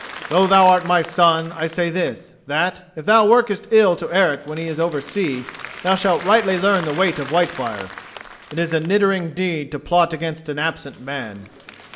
Though thou art my son, I say this, that, if thou workest ill to Eric when he is over sea, thou shalt rightly learn the weight of Whitefire: it is a niddering deed to plot against an absent man."